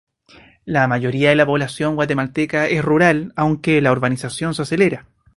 La mayoría de la población guatemalteca es rural, aunque la urbanización se acelera.